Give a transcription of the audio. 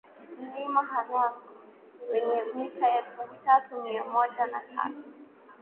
Mlima Hanang wenye mita elfu tatu mia moja na tatu